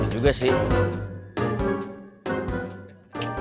iya juga sih